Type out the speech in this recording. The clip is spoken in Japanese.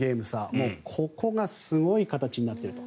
もうここがすごい形になっている。